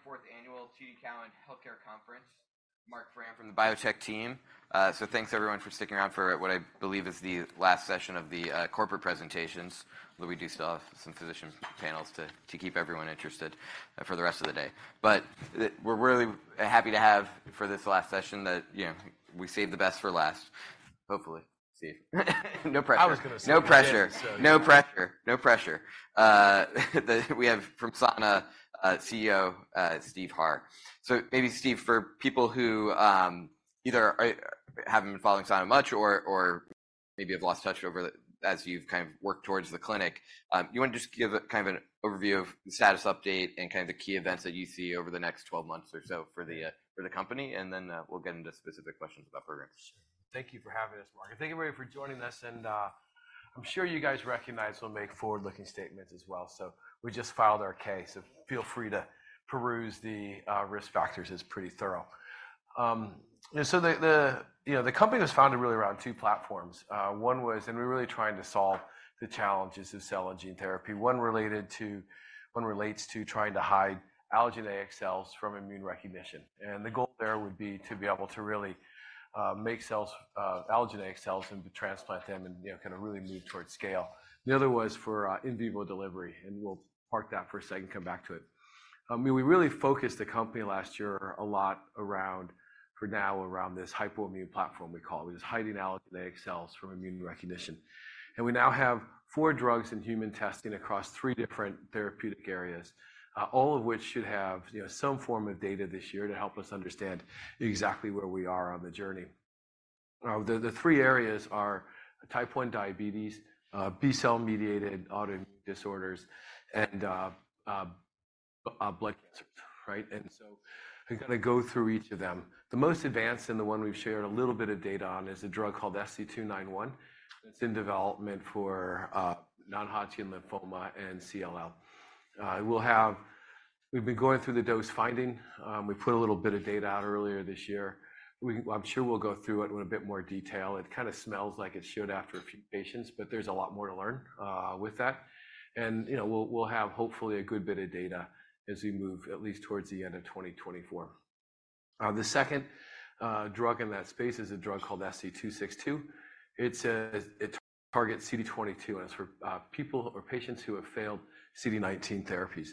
Welcome back to the forty-fourth Annual TD Cowen Healthcare Conference. Marc Frahm from the biotech team. So thanks everyone for sticking around for what I believe is the last session of the corporate presentations, although we do still have some physician panels to keep everyone interested for the rest of the day. But we're really happy to have, for this last session, that, you know, we saved the best for last. Hopefully, Steve. No pressure. I was gonna say- No pressure. No pressure, no pressure. We have from Sana CEO Steve Harr. So maybe Steve, for people who either are, haven't been following Sana much or maybe have lost touch over as you've kind of worked towards the clinic, you want to just give a kind of an overview of the status update and kind of the key events that you see over the next 12 months or so for the company, and then we'll get into specific questions about programs. Thank you for having us, Marc, and thank you, everybody, for joining us, and I'm sure you guys recognize we'll make forward-looking statements as well. So we just filed our 10-K, so feel free to peruse the risk factors; it's pretty thorough. And so you know, the company was founded really around two platforms. And we're really trying to solve the challenges of cell and gene therapy. One relates to trying to hide allogeneic cells from immune recognition, and the goal there would be to be able to really make cells, allogeneic cells and transplant them and, you know, kind of really move towards scale. The other was for in vivo delivery, and we'll park that for a second and come back to it. I mean, we really focused the company last year a lot around, for now, around this hypoimmune platform we call it, which is hiding allogeneic cells from immune recognition. And we now have four drugs in human testing across three different therapeutic areas, all of which should have, you know, some form of data this year to help us understand exactly where we are on the journey. The three areas are Type 1 diabetes, B-cell-mediated autoimmune disorders, and blood cancers, right? And so I'm gonna go through each of them. The most advanced, and the one we've shared a little bit of data on, is a drug called SC291. It's in development for non-Hodgkin lymphoma and CLL. We'll have. We've been going through the dose finding. We put a little bit of data out earlier this year. I'm sure we'll go through it in a bit more detail. It kind of smells like it should after a few patients, but there's a lot more to learn with that. And, you know, we'll have hopefully a good bit of data as we move at least towards the end of 2024. The second drug in that space is a drug called SC262. It targets CD22, and it's for people or patients who have failed CD19 therapies.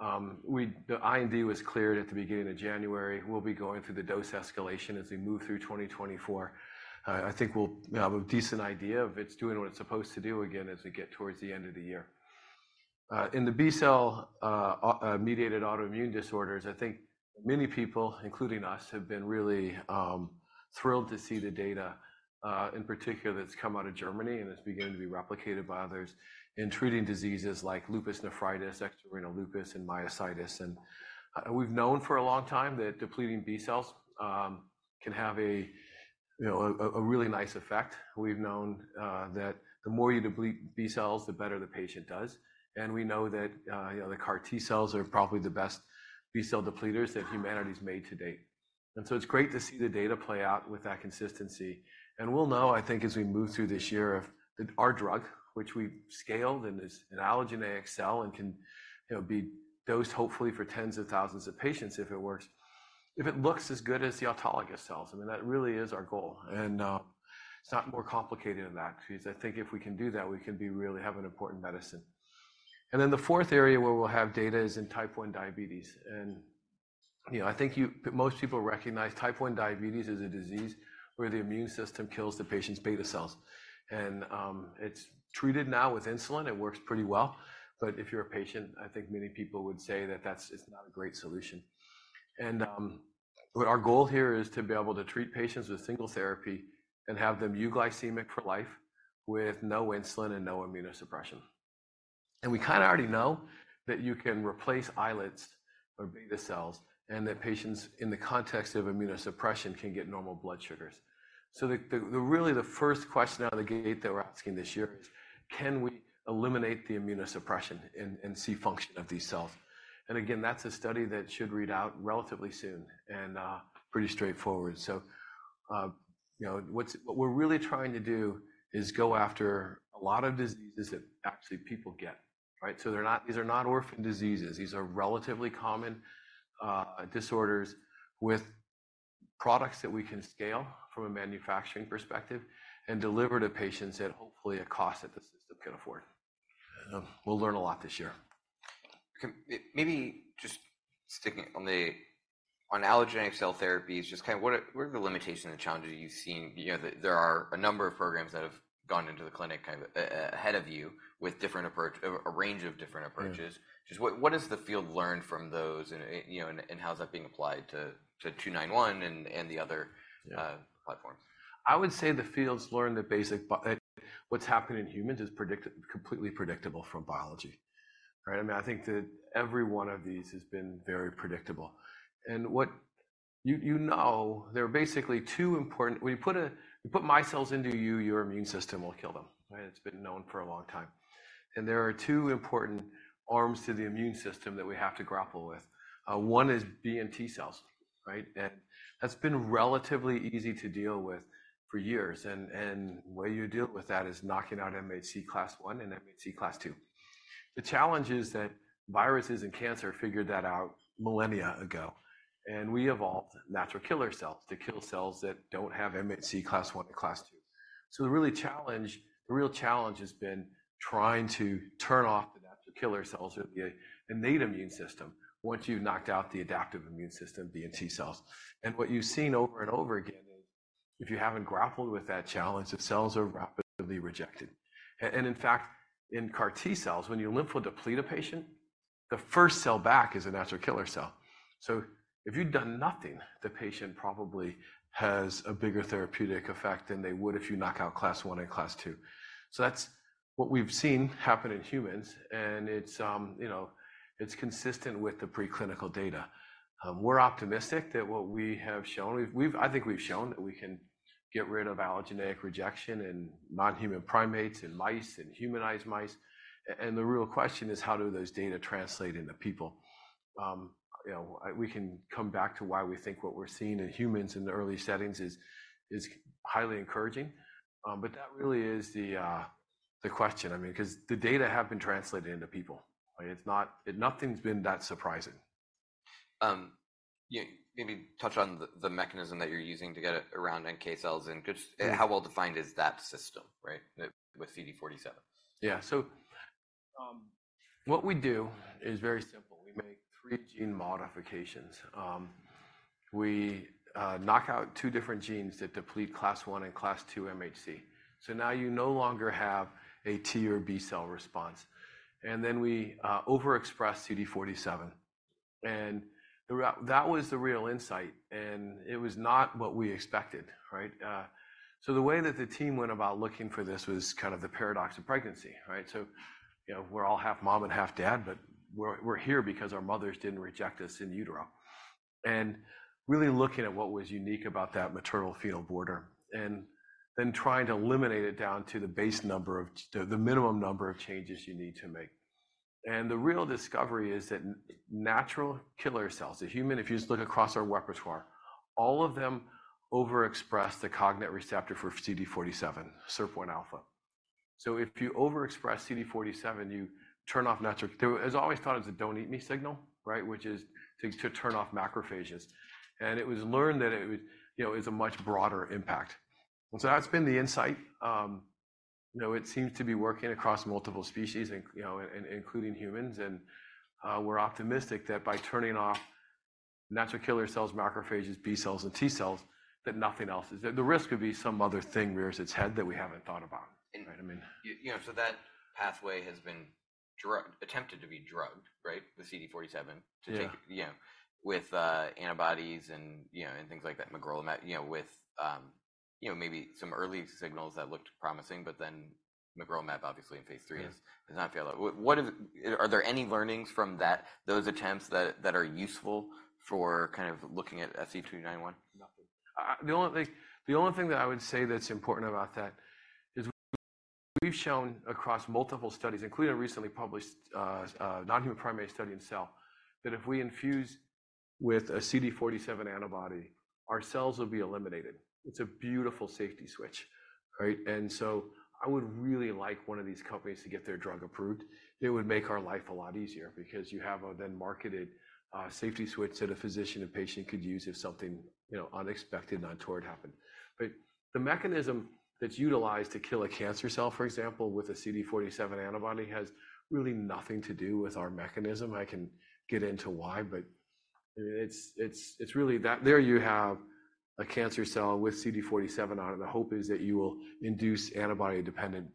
The IND was cleared at the beginning of January. We'll be going through the dose escalation as we move through 2024. I think we'll have a decent idea if it's doing what it's supposed to do again as we get towards the end of the year. In the B-cell mediated autoimmune disorders, I think many people, including us, have been really thrilled to see the data in particular that's come out of Germany, and it's beginning to be replicated by others in treating diseases like lupus nephritis, extrarenal lupus, and myositis. And we've known for a long time that depleting B cells can have a you know really nice effect. We've known that the more you deplete B cells, the better the patient does. And we know that you know the CAR T cells are probably the best B-cell depleters that humanity's made to date. And so it's great to see the data play out with that consistency. And we'll know, I think, as we move through this year, if that our drug, which we've scaled and is an allogeneic cell and can, you know, be dosed hopefully for tens of thousands of patients, if it works, if it looks as good as the autologous cells. I mean, that really is our goal, and it's not more complicated than that. 'Cause I think if we can do that, we can really have an important medicine. And then the fourth area where we'll have data is in type 1 diabetes, and, you know, I think you most people recognize type 1 diabetes as a disease where the immune system kills the patient's beta cells. And it's treated now with insulin, it works pretty well. But if you're a patient, I think many people would say that that's just not a great solution. But our goal here is to be able to treat patients with single therapy and have them euglycemic for life, with no insulin and no immunosuppression. And we kind of already know that you can replace islets or beta cells, and that patients, in the context of immunosuppression, can get normal blood sugars. So really the first question out of the gate that we're asking this year is: Can we eliminate the immunosuppression and see function of these cells? And again, that's a study that should read out relatively soon and pretty straightforward. So you know, what we're really trying to do is go after a lot of diseases that actually people get, right? So they're not, these are not orphan diseases. These are relatively common, disorders with products that we can scale from a manufacturing perspective and deliver to patients at, hopefully, a cost that the system can afford. We'll learn a lot this year. Maybe just sticking on the allogeneic cell therapies, just kind of what are the limitations and challenges you've seen? You know, there are a number of programs that have gone into the clinic kind of ahead of you with different approach, a range of different approaches. Mm-hmm. Just what has the field learned from those and, you know, how is that being applied to 291 and the other- Yeah Platforms? I would say the field's learned that basic, what's happened in humans is completely predictable from biology, right? I mean, I think that every one of these has been very predictable. And what you know, there are basically two important when you put my cells into you, your immune system will kill them, right? It's been known for a long time. And there are two important arms to the immune system that we have to grapple with. One is B and T cells, right? And that's been relatively easy to deal with for years, and the way you deal with that is knocking out MHC class I and MHC class II. The challenge is that viruses and cancer figured that out millennia ago, and we evolved natural killer cells to kill cells that don't have MHC class I and MHC class II. So the real challenge, the real challenge has been trying to turn off the natural killer cells or the innate immune system, once you've knocked out the adaptive immune system, B and T cells. And what you've seen over and over again is, if you haven't grappled with that challenge, the cells are rapidly rejected. And in fact, in CAR T cells, when you lymphodeplete a patient, the first cell back is a natural killer cell. So if you've done nothing, the patient probably has a bigger therapeutic effect than they would if you knock out class one and class two. So that's what we've seen happen in humans, and it's, you know, it's consistent with the preclinical data. We're optimistic that what we have shown. I think we've shown that we can get rid of allogeneic rejection in non-human primates, in mice, in humanized mice. And the real question is: How do those data translate into people? You know, we can come back to why we think what we're seeing in humans in the early settings is highly encouraging. But that really is the question. I mean, 'cause the data have been translated into people. Like, it's not nothing's been that surprising. Yeah, maybe touch on the mechanism that you're using to get around NK cells, and could- Yeah. How well-defined is that system, right, with CD47? Yeah. So, what we do is very simple. We make three gene modifications. We knock out two different genes that deplete class I and class II MHC. So now you no longer have a T cell or B cell response. And then we overexpress CD47, and the real insight, and it was not what we expected, right? So the way that the team went about looking for this was kind of the paradox of pregnancy, right? So, you know, we're all half mom and half dad, but we're here because our mothers didn't reject us in utero. And really looking at what was unique about that maternal fetal border, and then trying to eliminate it down to the base number of, to the minimum number of changes you need to make. The real discovery is that natural killer cells in humans, if you just look across our repertoire, all of them overexpress the cognate receptor for CD47, SIRPα. So if you overexpress CD47, you turn off natural... It was always thought as a 'don't eat me' signal, right? Which is things to turn off macrophages. And it was learned that it would, you know, is a much broader impact. And so that's been the insight. You know, it seems to be working across multiple species, including humans, and, we're optimistic that by turning off natural killer cells, macrophages, B cells, and T cells, that nothing else is... The risk could be some other thing rears its head that we haven't thought about. And- Right, I mean... You know, so that pathway has been drugged, attempted to be drugged, right? The CD47- Yeah. To take, yeah, with antibodies and, you know, and things like that. Magrolimab, you know, with, you know, maybe some early signals that looked promising, but then magrolimab obviously in phase III- Yeah Has now failed. What is— are there any learnings from that, those attempts that are useful for kind of looking at SC291? Nothing. The only thing that I would say that's important about that is we've shown across multiple studies, including a recently published non-human primate study in Cell, that if we infuse with a CD47 antibody, our cells will be eliminated. It's a beautiful safety switch, right? And so I would really like one of these companies to get their drug approved. It would make our life a lot easier because you have a then-marketed safety switch that a physician and patient could use if something, you know, unexpected, untoward happened. But the mechanism that's utilized to kill a cancer cell, for example, with a CD47 antibody, has really nothing to do with our mechanism. I can get into why, but it's really that. There you have a cancer cell with CD47 on it. The hope is that you will induce antibody-dependent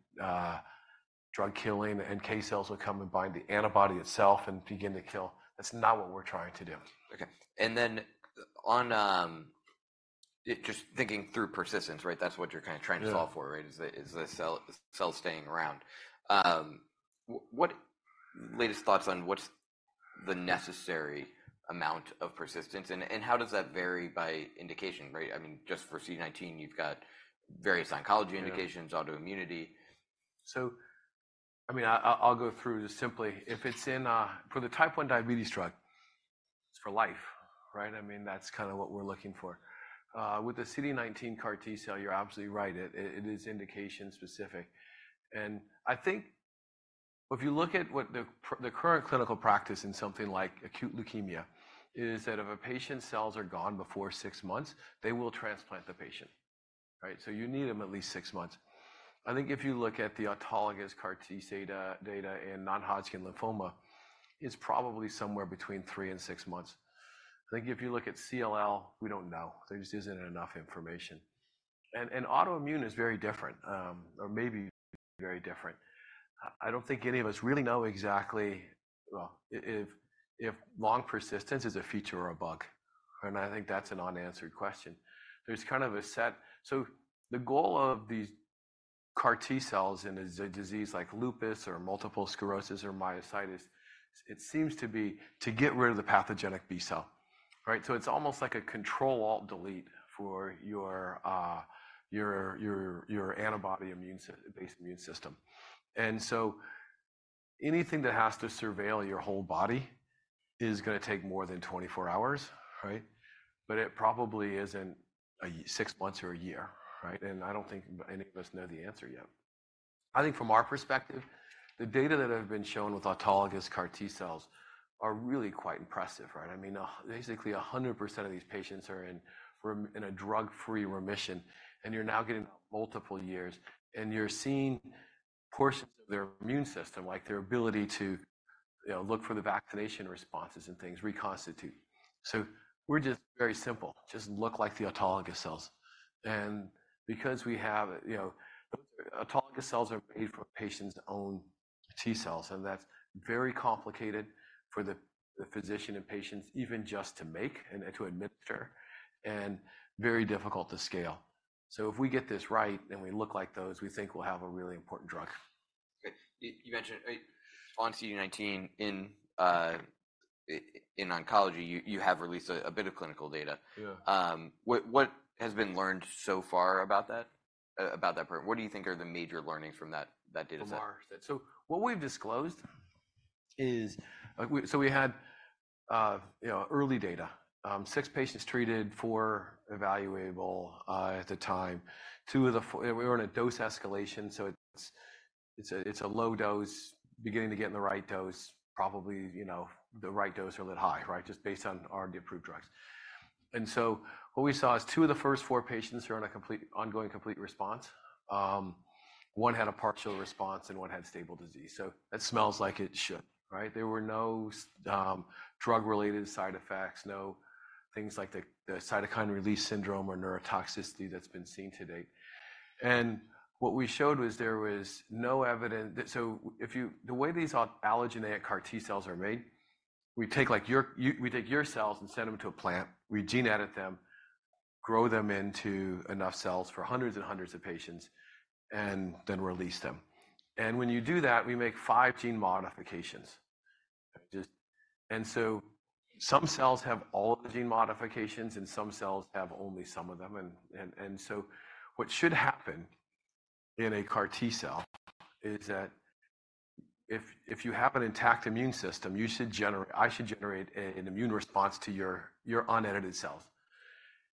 drug killing, NK cells will come and bind the antibody itself and begin to kill. That's not what we're trying to do. Okay, and then on, just thinking through persistence, right? That's what you're kind of trying to- Yeah Solve for, right? Is the cell staying around. What latest thoughts on what's the necessary amount of persistence, and how does that vary by indication, right? I mean, just for CD19, you've got various oncology indications- Yeah Autoimmunity. So, I mean, I'll go through just simply. If it's in for the Type 1 diabetes drug, it's for life, right? I mean, that's kinda what we're looking for. With the CD19 CAR T cell, you're absolutely right. It is indication specific. And I think if you look at what the current clinical practice in something like acute leukemia is, that if a patient's cells are gone before six months, they will transplant the patient, right? So you need them at least six months. I think if you look at the autologous CAR T data in non-Hodgkin lymphoma, it's probably somewhere between three and six months. I think if you look at CLL, we don't know. There just isn't enough information. And autoimmune is very different, or maybe very different. I don't think any of us really know exactly, well, if, if long persistence is a feature or a bug, and I think that's an unanswered question. There's kind of a set, so the goal of these CAR T cells in a disease like lupus or multiple sclerosis or myositis, it seems to be to get rid of the pathogenic B cell, right? So it's almost like a Control, Alt, Delete for your antibody immune system-based immune system. And so anything that has to surveil your whole body is gonna take more than 24 hours, right? But it probably isn't a year, 6 months or a year, right? And I don't think any of us know the answer yet. I think from our perspective, the data that have been shown with autologous CAR T cells are really quite impressive, right? I mean, basically, 100% of these patients are in remission, in a drug-free remission, and you're now getting multiple years, and you're seeing portions of their immune system, like their ability to, you know, look for the vaccination responses and things, reconstitute. So we're just very simple, just look like the autologous cells. And because we have, you know, those autologous cells are made from a patient's own T cells, and that's very complicated for the physician and patients even just to make and to administer, and very difficult to scale. So if we get this right, and we look like those, we think we'll have a really important drug. Okay. You mentioned on CD19 in oncology, you have released a bit of clinical data. Yeah. What has been learned so far about that? About that part. What do you think are the major learnings from that data set? So far. So what we've disclosed is we had, you know, early data. Six patients treated, four evaluable at the time. Two of the first four—we were in a dose escalation, so it's a low dose, beginning to get in the right dose, probably, you know, the right dose or a little high, right? Just based on our approved drugs. So what we saw is two of the first four patients are in a complete, ongoing complete response. One had a partial response, and one had stable disease. So it smells like it should, right? There were no drug-related side effects, no things like the cytokine release syndrome or neurotoxicity that's been seen to date. What we showed was there was no evidence. The way these allogeneic CAR T cells are made, we take, like, your cells and send them to a plant, we gene edit them, grow them into enough cells for hundreds and hundreds of patients, and then release them. And when you do that, we make 5 gene modifications. And so some cells have all of the gene modifications, and some cells have only some of them. And so what should happen in a CAR T cell is that if you have an intact immune system, you should generate an immune response to your unedited cells.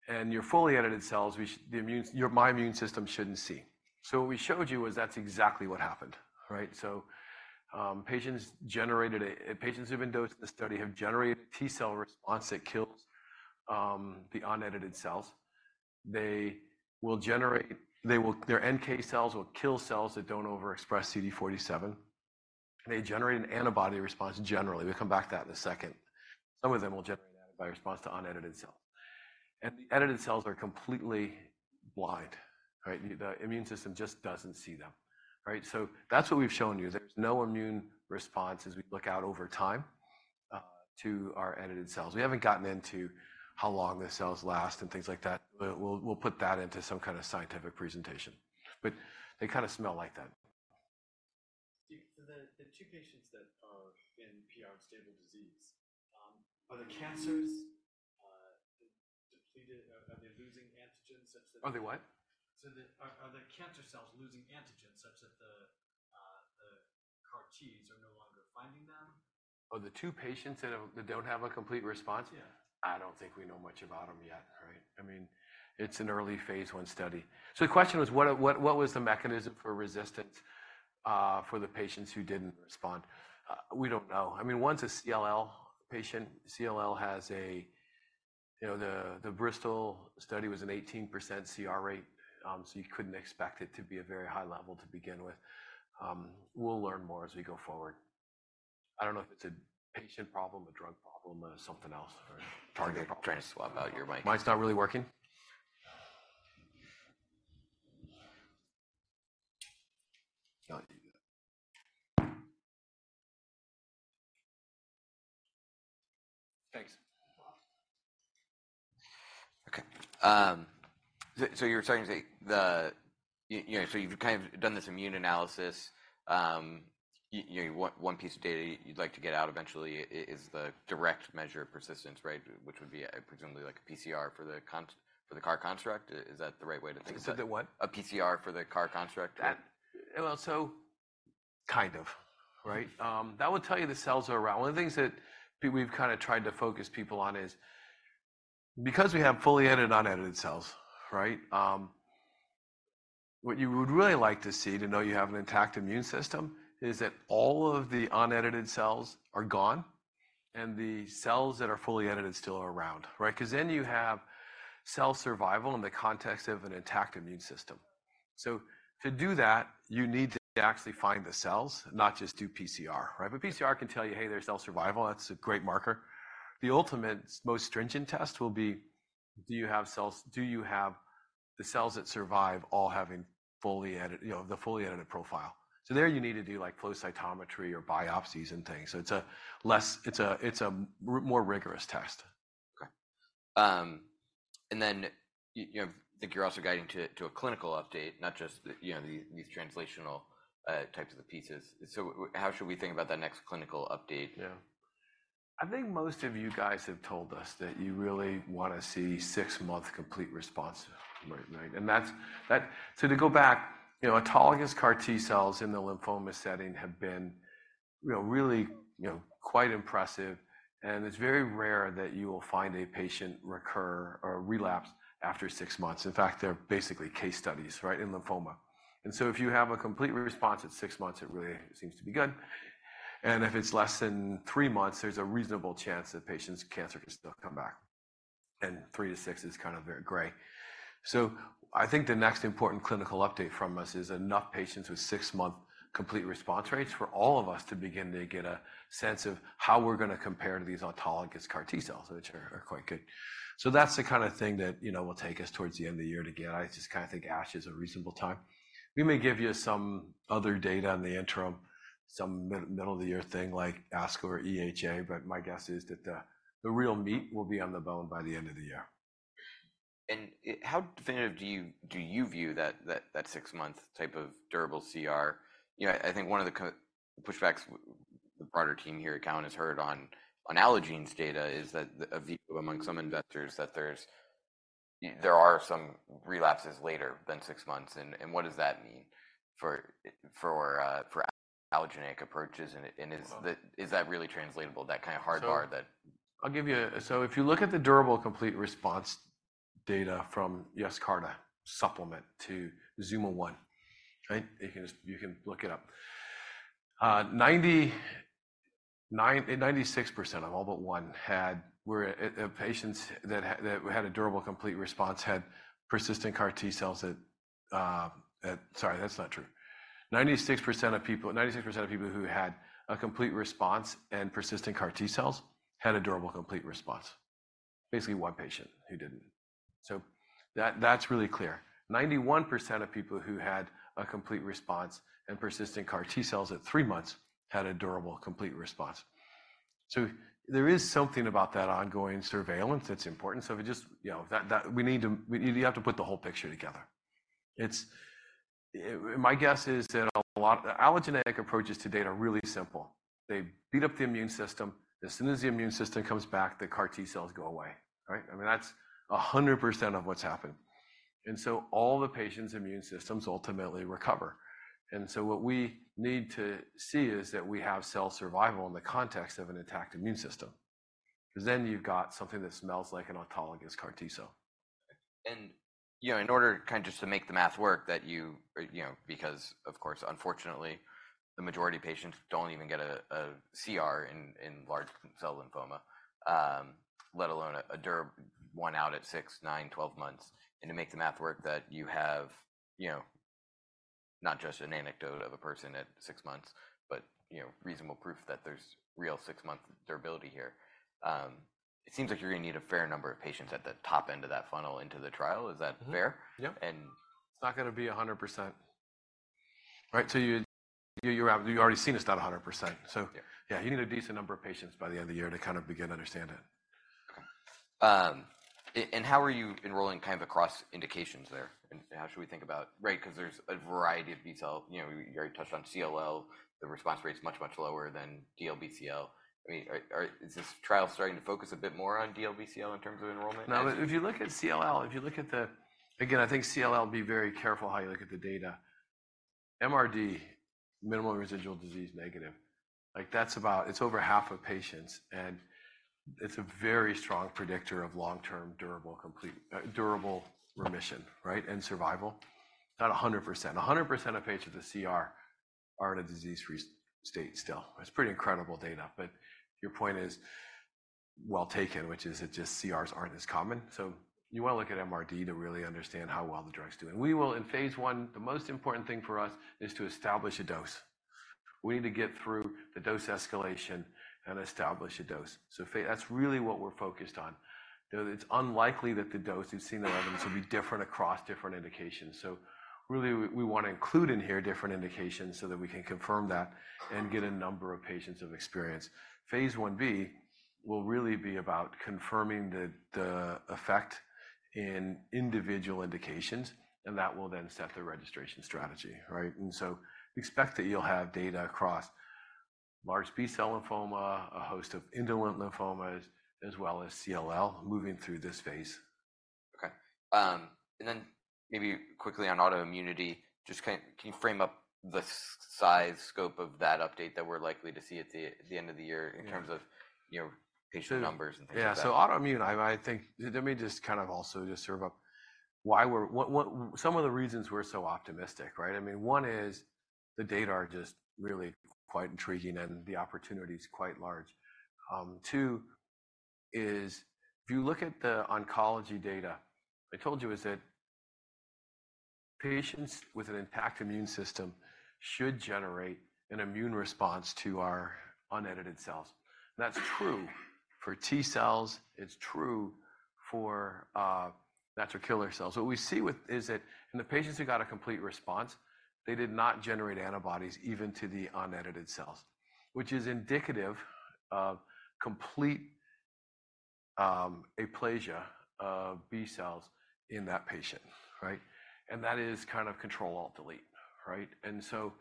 And your fully edited cells, the immune, your immune system shouldn't see. So what we showed you was that's exactly what happened, right? So, patients who've been dosed in the study have generated T cell response that kills the unedited cells. Their NK cells will kill cells that don't overexpress CD47. They generate an antibody response, generally. We'll come back to that in a second. Some of them will generate antibody response to unedited cells. And the edited cells are completely blind, right? The immune system just doesn't see them. Right? So that's what we've shown you. There's no immune response as we look out over time to our edited cells. We haven't gotten into how long the cells last and things like that, but we'll put that into some kind of scientific presentation. But they kinda smell like that. The two patients that are in PR and stable disease, are the cancers depleted? Are they losing antigens such that- Are they what? So, are the cancer cells losing antigens such that the CAR Ts are no longer finding them? Oh, the two patients that don't have a complete response? Yeah. I don't think we know much about them yet, right? I mean, it's an early phase I study. So the question was: What was the mechanism for resistance for the patients who didn't respond? We don't know. I mean, one's a CLL patient. CLL has, you know, the Bristol study was an 18% CR rate, so you couldn't expect it to be a very high level to begin with. We'll learn more as we go forward. I don't know if it's a patient problem, a drug problem, or something else or- Target trying to swap out your mic. Mine's not really working? No, you good. Thanks. Welcome. Okay, so you were starting to say the... you know, so you've kind of done this immune analysis. You, one piece of data you'd like to get out eventually is the direct measure of persistence, right? Which would be presumably like a PCR for the CAR construct. Is that the right way to think about it? Is it the what? A PCR for the CAR construct? Well, so, kind of, right? That would tell you the cells are around. One of the things that we've kinda tried to focus people on is, because we have fully edited and unedited cells, right? What you would really like to see to know you have an intact immune system is that all of the unedited cells are gone, and the cells that are fully edited still are around, right? 'Cause then you have cell survival in the context of an intact immune system. So to do that, you need to actually find the cells, not just do PCR, right? But PCR can tell you, hey, there's cell survival. That's a great marker. The ultimate, most stringent test will be: Do you have cells? Do you have the cells that survive all having fully edited, you know, the fully edited profile? You need to do, like, flow cytometry or biopsies and things. So it's a more rigorous test. Okay. And then, you know, I think you're also guiding to a clinical update, not just, you know, these translational types of pieces. So how should we think about that next clinical update? Yeah. I think most of you guys have told us that you really wanna see six-month complete response, right, right? And that's. So to go back, you know, autologous CAR T cells in the lymphoma setting have been you know, really, you know, quite impressive, and it's very rare that you will find a patient recur or relapse after six months. In fact, they're basically case studies, right, in lymphoma. And so if you have a complete response at six months, it really seems to be good, and if it's less than three months, there's a reasonable chance the patient's cancer can still come back, and three to six is kind of very gray. So I think the next important clinical update from us is enough patients with six-month complete response rates for all of us to begin to get a sense of how we're gonna compare to these autologous CAR T cells, which are quite good. So that's the kind of thing that, you know, will take us towards the end of the year to get. I just kinda think ASH is a reasonable time. We may give you some other data in the interim, some mid- of the year thing like ASCO or EHA, but my guess is that the real meat will be on the bone by the end of the year. And how definitive do you view that six-month type of durable CR? You know, I think one of the key pushbacks the broader team here at TD Cowen has heard on Allogene's data is that there's a view among some investors that there are some relapses later than six months. And what does that mean for allogeneic approaches? And is that- Uh-huh. Is that really translatable, that kind of hard bar that- So if you look at the durable complete response data from Yescarta, supplement to ZUMA-1, right? You can just look it up. 96% of all but one had—were patients that had a durable complete response, had persistent CAR T cells. Sorry, that's not true. 96% of people, 96% of people who had a complete response and persistent CAR T cells had a durable complete response. Basically, one patient who didn't. So that's really clear. 91% of people who had a complete response and persistent CAR T cells at three months had a durable complete response. So there is something about that ongoing surveillance that's important. So we just, you know, we need to—we, you have to put the whole picture together. My guess is that a lot—the allogeneic approaches to date are really simple. They beat up the immune system. As soon as the immune system comes back, the CAR T cells go away, right? I mean, that's 100% of what's happened. And so all the patients' immune systems ultimately recover. And so what we need to see is that we have cell survival in the context of an adaptive immune system, 'cause then you've got something that smells like an autologous CAR T cell. You know, in order kind of just to make the math work, that you, you know, because, of course, unfortunately, the majority of patients don't even get a CR in large cell lymphoma, let alone a durable one out at six, nine, 12 months. And to make the math work that you have, you know, not just an anecdote of a person at six months but, you know, reasonable proof that there's real six-month durability here, it seems like you're gonna need a fair number of patients at the top end of that funnel into the trial. Is that fair? Mm-hmm. Yep. And- It's not gonna be 100%, right? So you, you've already seen it's not 100%. Yeah. Yeah, you need a decent number of patients by the end of the year to kind of begin to understand it. How are you enrolling kind of across indications there? And how should we think about... Right, 'cause there's a variety of B-cell. You know, you already touched on CLL. The response rate is much, much lower than DLBCL. I mean, is this trial starting to focus a bit more on DLBCL in terms of enrollment? No, if you look at CLL, if you look at the... Again, I think CLL, be very careful how you look at the data. MRD, minimal residual disease negative, like that's about—it's over half of patients, and it's a very strong predictor of long-term, durable, complete, durable remission, right, and survival. Not 100%. 100% of patients with CR are in a disease re-state still. It's pretty incredible data, but your point is well taken, which is that just CRs aren't as common. So you wanna look at MRD to really understand how well the drug's doing. We will, in phase I, the most important thing for us is to establish a dose. We need to get through the dose escalation and establish a dose. So that's really what we're focused on. You know, it's unlikely that the dose, you've seen the evidence, will be different across different indications. So really, we wanna include in here different indications so that we can confirm that and get a number of patients of experience. Phase IB will really be about confirming the effect in individual indications, and that will then set the registration strategy, right? And so expect that you'll have data across large B-cell lymphoma, a host of indolent lymphomas, as well as CLL moving through this phase. Okay, and then maybe quickly on autoimmunity, just can you frame up the size, scope of that update that we're likely to see at the end of the year? Yeah In terms of, you know, patient numbers-and things like that? Yeah, so autoimmune, I think... Let me just kind of also just serve up why we're, what, some of the reasons we're so optimistic, right? I mean, one is the data are just really quite intriguing, and the opportunity is quite large. Two is if you look at the oncology data, I told you is that patients with an intact immune system should generate an immune response to our unedited cells. That's true for T cells; it's true for natural killer cells. What we see is that in the patients who got a complete response, they did not generate antibodies, even to the unedited cells, which is indicative of complete aplasia of B cells in that patient, right? And that is kind of Control-Alt-Delete, right? And so,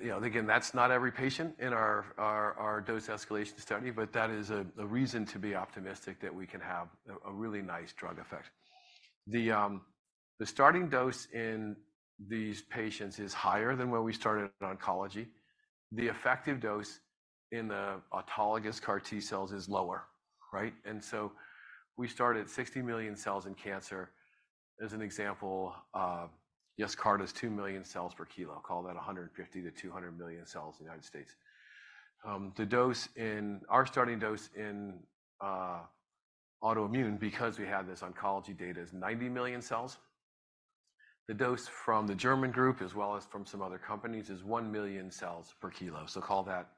you know, again, that's not every patient in our dose escalation study, but that is a reason to be optimistic that we can have a really nice drug effect. The starting dose in these patients is higher than where we started in oncology. The effective dose in the autologous CAR T cells is lower, right? And so we start at 60 million cells in cancer, as an example, yes, CAR T is 2 million cells per kilo, call that 150 million-200 million cells in the United States. The dose in our starting dose in autoimmune, because we have this oncology data, is 90 million cells. The dose from the German group, as well as from some other companies, is 1 million cells per kilo. So call that,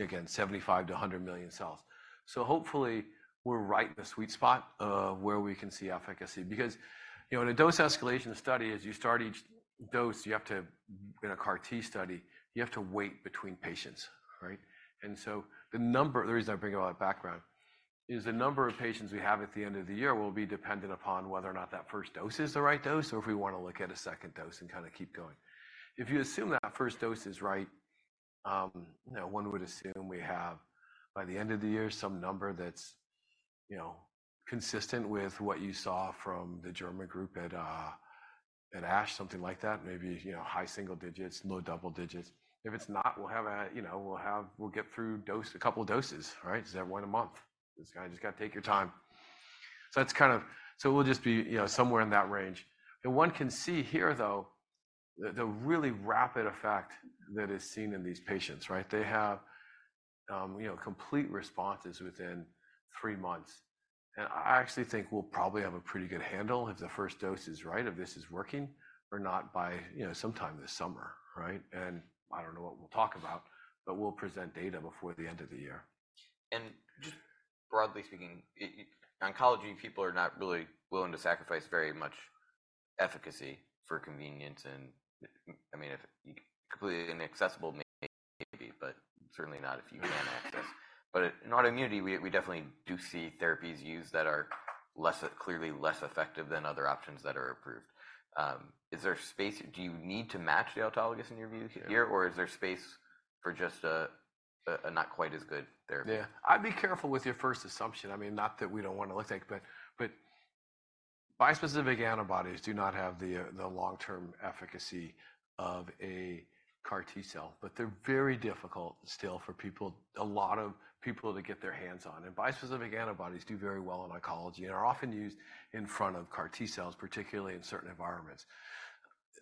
again, 75 million-100 million cells. Hopefully, we're right in the sweet spot of where we can see efficacy, because, you know, in a dose escalation study, as you start each dose, you have to, in a CAR T study, you have to wait between patients, right? And so the number. The reason I bring all that background is the number of patients we have at the end of the year will be dependent upon whether or not that first dose is the right dose, or if we want to look at a second dose and kind of keep going. If you assume that first dose is right, you know, one would assume we have, by the end of the year, some number that's, you know, consistent with what you saw from the German group at, at ASH, something like that, maybe, you know, high single digits, low double digits. If it's not, we'll have a, you know, we'll get through a couple of doses, right? So they're one a month. Just gotta take your time. So we'll just be, you know, somewhere in that range. And one can see here, though, the really rapid effect that is seen in these patients, right? They have, you know, complete responses within three months. And I actually think we'll probably have a pretty good handle if the first dose is right, if this is working or not, by, you know, sometime this summer, right? And I don't know what we'll talk about, but we'll present data before the end of the year. And just broadly speaking, in oncology people are not really willing to sacrifice very much efficacy for convenience, and, I mean, if completely inaccessible, maybe, but certainly not if you can access. But in autoimmunity, we definitely do see therapies used that are less, clearly less effective than other options that are approved. Is there space? Do you need to match the autologous, in your view, here, or is there space for just a not quite as good therapy? Yeah. I'd be careful with your first assumption. I mean, not that we don't want to look like, but, but bispecific antibodies do not have the, the long-term efficacy of a CAR T cell, but they're very difficult still for people, a lot of people to get their hands on. And bispecific antibodies do very well in oncology and are often used in front of CAR T cells, particularly in certain environments.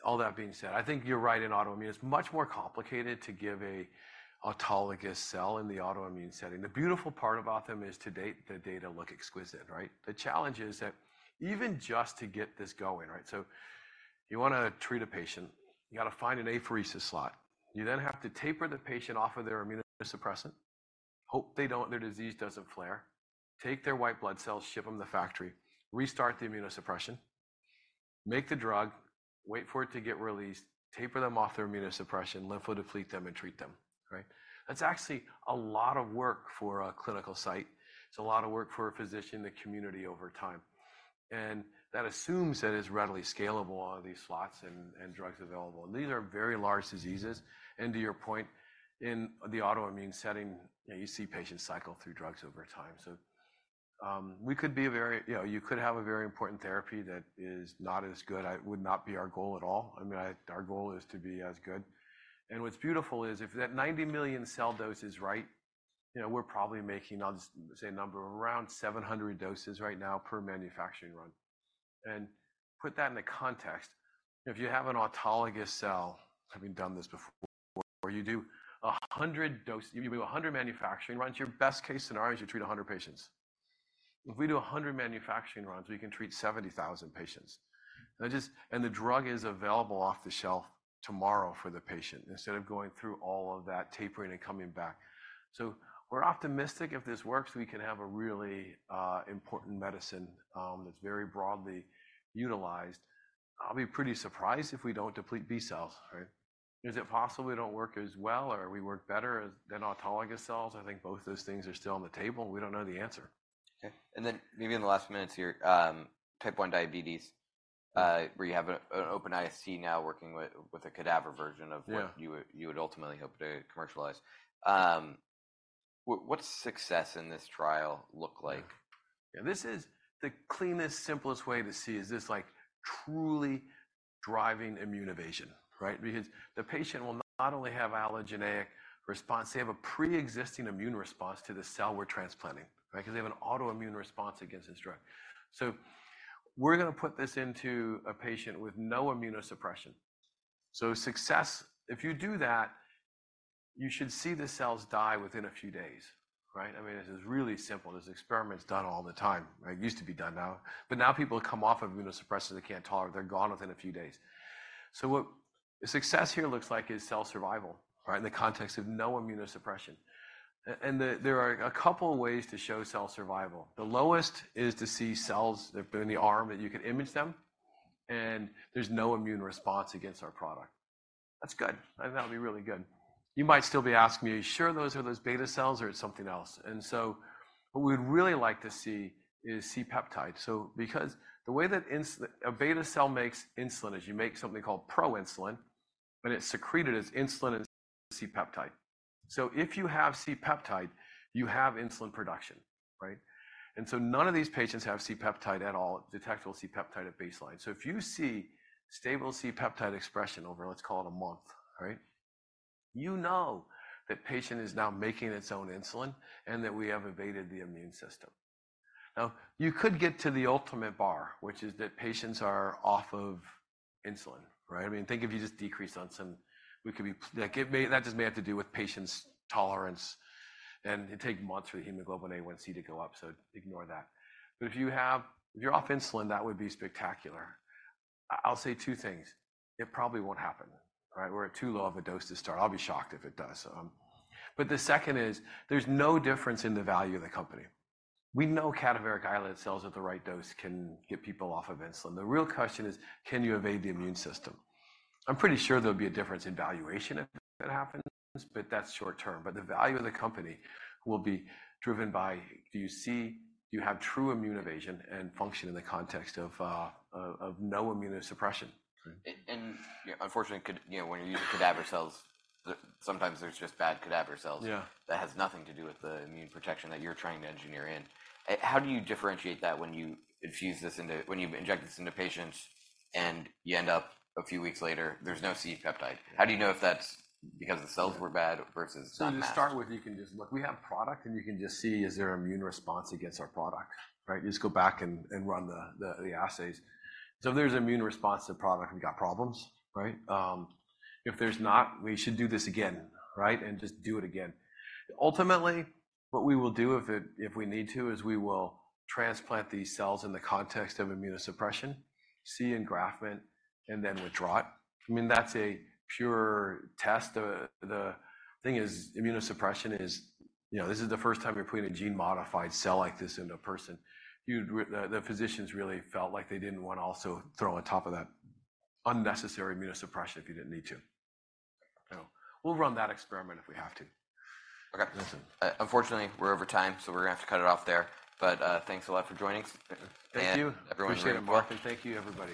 All that being said, I think you're right, in autoimmune, it's much more complicated to give a autologous cell in the autoimmune setting. The beautiful part about them is, to date, the data look exquisite, right? The challenge is that even just to get this going, right? So you wanna treat a patient, you gotta find an apheresis slot. You then have to taper the patient off of their immunosuppressant, hope they don't—their disease doesn't flare, take their white blood cells, ship them to the factory, restart the immunosuppression, make the drug, wait for it to get released, taper them off their immunosuppression, lympho-deplete them, and treat them. Right? That's actually a lot of work for a clinical site. It's a lot of work for a physician in the community over time. And that assumes that it's readily scalable, all these slots and drugs available. And these are very large diseases. And to your point, in the autoimmune setting, you see patients cycle through drugs over time. So, we could be a very—you know, you could have a very important therapy that is not as good. It would not be our goal at all. I mean, our goal is to be as good. What's beautiful is, if that 90 million cell dose is right, you know, we're probably making, I'll just say, a number around 700 doses right now per manufacturing run. Put that into context. If you have an autologous cell, having done this before, where you do a 100 manufacturing runs, your best-case scenario is you treat 100 patients. If we do a 100 manufacturing runs, we can treat 70,000 patients. And the drug is available off the shelf tomorrow for the patient, instead of going through all of that tapering and coming back. So we're optimistic if this works, we can have a really important medicine that's very broadly utilized. I'll be pretty surprised if we don't deplete B cells, right? Is it possible we don't work as well, or we work better as-- than autologous cells? I think both those things are still on the table. We don't know the answer. Okay. Then maybe in the last minutes here, Type 1 diabetes, where you have an open IST now working with a cadaver version of- Yeah What you would, you would ultimately hope to commercialize. What, what's success in this trial look like? Yeah, this is the cleanest, simplest way to see, is this like truly driving immune evasion, right? Because the patient will not only have allogeneic response, they have a preexisting immune response to the cell we're transplanting, right? Because they have an autoimmune response against this drug. So we're gonna put this into a patient with no immunosuppression. So success, if you do that, you should see the cells die within a few days, right? I mean, this is really simple. This experiment is done all the time, right? It used to be done now, but now people come off immunosuppressive, they can't tolerate, they're gone within a few days. So what success here looks like is cell survival, right? In the context of no immunosuppression. And there are a couple of ways to show cell survival. The lowest is to see cells that have been in the arm, and you can image them, and there's no immune response against our product. That's good. That'll be really good. You might still be asking me, are you sure those are those beta cells or it's something else? And so what we'd really like to see is C-peptide. So because the way that a beta cell makes insulin is you make something called proinsulin... but it's secreted as insulin and C-peptide. So if you have C-peptide, you have insulin production, right? And so none of these patients have C-peptide at all, detectable C-peptide at baseline. So if you see stable C-peptide expression over, let's call it a month, right? You know that patient is now making its own insulin and that we have evaded the immune system. Now, you could get to the ultimate bar, which is that patients are off of insulin, right? I mean, think if you just decreased on some, we could be—that could, may, that just may have to do with patient's tolerance, and it'd take months for the hemoglobin A1c to go up, so ignore that. But if you have—if you're off insulin, that would be spectacular. I, I'll say two things: It probably won't happen, right? We're at too low of a dose to start. I'll be shocked if it does, so. But the second is, there's no difference in the value of the company. We know cadaveric islet cells at the right dose can get people off of insulin. The real question is, can you evade the immune system? I'm pretty sure there'll be a difference in valuation if that happens, but that's short term. But the value of the company will be driven by, do you see, do you have true immune evasion and function in the context of no immunosuppression? And unfortunately, you know, when you're using cadaver cells, sometimes there's just bad cadaver cells- Yeah That has nothing to do with the immune protection that you're trying to engineer in. How do you differentiate that when you infuse this into, when you inject this into patients and you end up a few weeks later, there's no C-peptide? How do you know if that's because the cells were bad versus- So to start with, you can just look. We have product, and you can just see, is there immune response against our product, right? You just go back and run the assays. So if there's immune response to the product, we got problems, right? If there's not, we should do this again, right? And just do it again. Ultimately, what we will do if we need to, is we will transplant these cells in the context of immunosuppression, see engraftment, and then withdraw it. I mean, that's a pure test. The thing is, immunosuppression is, you know, this is the first time you're putting a gene-modified cell like this into a person. The physicians really felt like they didn't want to also throw on top of that unnecessary immunosuppression if you didn't need to. So we'll run that experiment if we have to. Okay. Unfortunately, we're over time, so we're gonna have to cut it off there. But, thanks a lot for joining us. Thank you. And everyone- Appreciate it, Marc, and thank you, everybody.